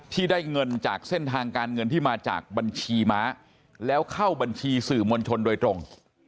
ที่ได้เงินจากเส้นทางการเงินที่มาจากบัญชีม้าแล้วเข้าบัญชีสื่อมวลชนโดยตรง